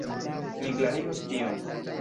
Mi klarigos tion.